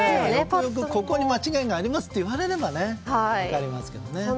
ここに間違いがありますって言われれば分かりますけどね。